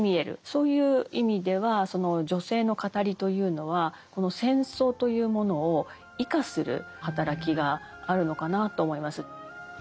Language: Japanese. そういう意味ではその女性の語りというのはこの戦争というものを異化する働きがあるのかなと思います。